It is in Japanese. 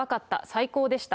最高でした。